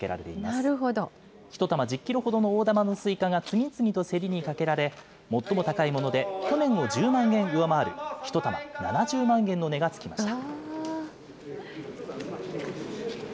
１玉１０キロほどの大玉のスイカが次々と競りにかけられ、最も高いもので去年の１０万円を上回る１玉７０万円の値がつきました。